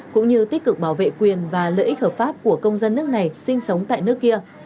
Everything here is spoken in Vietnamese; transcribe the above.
cũng như tích cực bảo vệ quyền và lợi ích hợp pháp của công dân nước này sinh sống tại nước kia